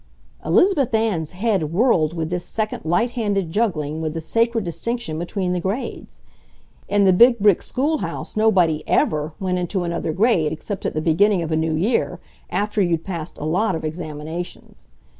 Elizabeth Ann's head whirled with this second light handed juggling with the sacred distinction between the grades. In the big brick schoolhouse nobody EVER went into another grade except at the beginning of a new year, after you'd passed a lot of examinations.